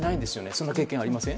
そんな経験ありません？